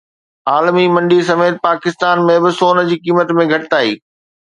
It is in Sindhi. عالمي منڊي سميت پاڪستان ۾ به سون جي قيمت ۾ گهٽتائي